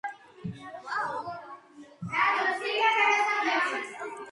ეკლესიაში შესავლელი სამხრეთიდანაა.